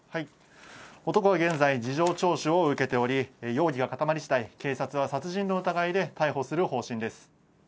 男は現在、事情聴取を受けており、容疑が固まりしだい、警察は殺人の疑いで逮捕する方針です。